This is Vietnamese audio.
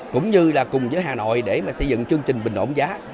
cũng như là cùng với hà nội để mà xây dựng chương trình bình ổn giá